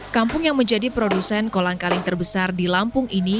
kampung yang menjadi produsen kolang kaling terbesar di lampung ini